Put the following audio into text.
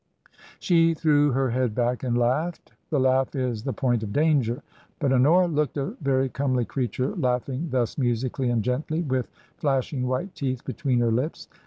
She threw her head back and laughed. The laugh is the point of danger. But Honora looked a very comely creature laughing thus musically and gently, with flash ing white teeth between her lips.